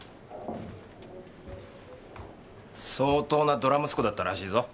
相当なドラ息子だったらしいぞ。